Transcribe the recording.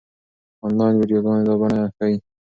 انلاين ويډيوګانې دا بڼه ښيي.